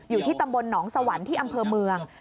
อยู่ที่ตำบลหนองสวรรค์ที่อำเภอเมือง